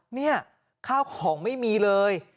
เนี่ยข้าวของไม่มีเลย